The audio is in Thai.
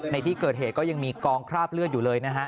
ในที่เกิดเหตุก็ยังมีกองคราบเลือดอยู่เลยนะฮะ